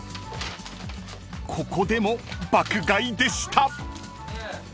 ［ここでも爆買いでした］